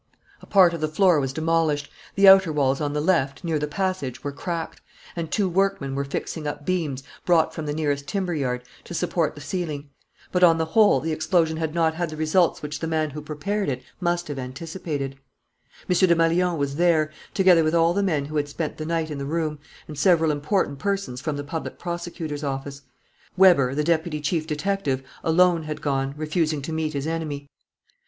A part of the floor was demolished. The outer walls on the left, near the passage, were cracked; and two workmen were fixing up beams, brought from the nearest timber yard, to support the ceiling. But, on the whole, the explosion had not had the results which the man who prepared it must have anticipated. M. Desmalions was there, together with all the men who had spent the night in the room and several important persons from the public prosecutor's office. Weber, the deputy chief detective, alone had gone, refusing to meet his enemy.